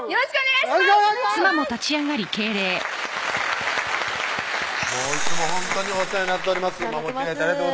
いつもほんとにお世話になっております